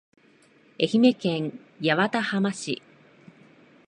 愛媛県八幡浜市